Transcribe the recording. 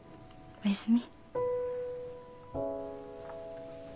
おやすみ。